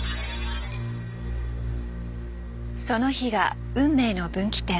その日が運命の分岐点。